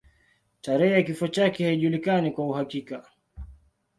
Tarehe ya kifo chake haijulikani kwa uhakika.